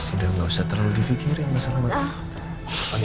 udah gak usah terlalu dipikirin masalah mati